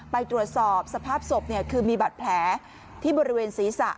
ไปตรวจสอบสภาพศพคือมีบาดแผลที่บริเวณศีรษะ